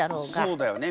そうだよね